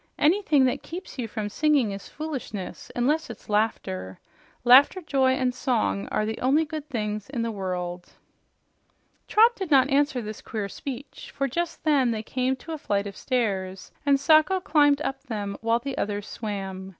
"Anything that keeps you from singing is foolishness, unless it's laughter. Laughter, joy and song are the only good things in the world." Trot did not answer this queer speech, for just then they came to a flight of stairs, and Sacho climbed up them while the others swam.